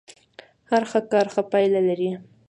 هر ښه کار ښه پايله لري.